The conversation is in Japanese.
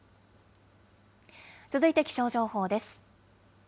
続いて気象情報です。